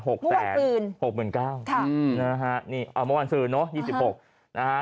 หกแสนหกหมื่นเก้าค่ะอืมนะฮะนี่อ่าเมื่อวานเนอะยี่สิบหกนะฮะ